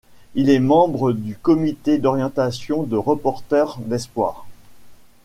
Il est membre du comité d'orientation de Reporters d'espoirs.